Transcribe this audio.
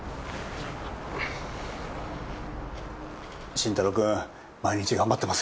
慎太郎くん毎日頑張ってますよ